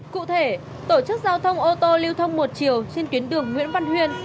cụ thể tổ chức giao thông ô tô lưu thông một chiều trên tuyến đường nguyễn văn huyên